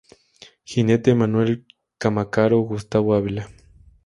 Jinete: Manuel Camacaro-Gustavo Ávila.